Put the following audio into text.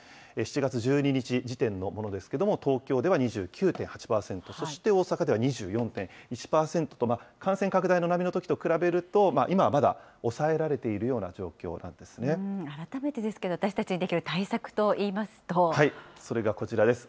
７月１２日時点のものですけれども、東京では２９．８％、そして大阪では２４．１％と、感染拡大の波のときと比べると、今はまだ抑えられているような状況なんで改めてですけど、私たちにでそれがこちらです。